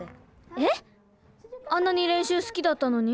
えっ⁉あんなにれんしゅうすきだったのに？